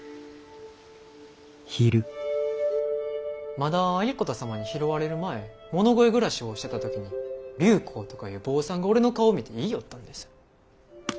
まだ有功様に拾われる前物乞い暮らしをしてた時に隆光とかいう坊さんが俺の顔を見て言いよったんです。